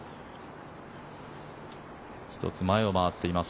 １つ前を回っています